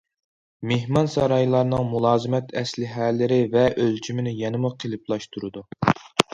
مېھمانسارايلارنىڭ مۇلازىمەت ئەسلىھەلىرى ۋە ئۆلچىمىنى يەنىمۇ قېلىپلاشتۇرىدۇ.